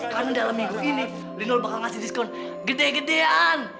karena dalam minggu ini lino bakal ngasih diskon gede gedean